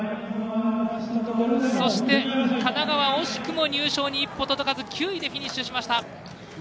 そして、神奈川惜しくも入賞に一歩届かず９位でフィニッシュしました。